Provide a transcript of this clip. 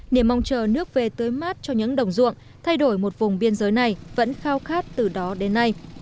niềm mong chờ nước về tới mát cho những đồng ruộng thay đổi một vùng biên giới này vẫn khao khát từ đó đến nay